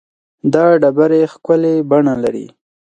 دا ډبرې ښکلې بڼه لري.